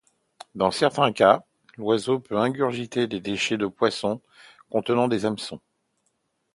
Dans certains cas, l'oiseau peut ingurgiter des déchets de poissons contenant des hameçons.